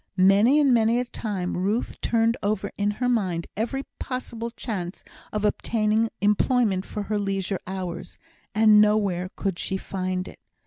Many and many a time Ruth turned over in her mind every possible chance of obtaining employment for her leisure hours, and nowhere could she find it.